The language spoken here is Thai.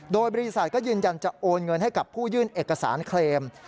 โดยบริษัทก็ยืนยันจะโอนเงินให้กับผู้ยื่นเอกสารเคลม